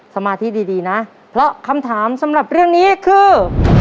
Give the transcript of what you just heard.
สมาธิดีนะเพราะคำถามสำหรับเรื่องนี้คือ